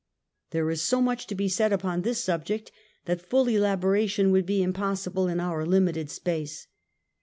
There is so much to be said upon this subject, that full elaboration would be impossible in our limited space.